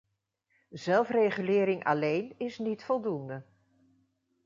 Zelfregulering alleen is niet voldoende.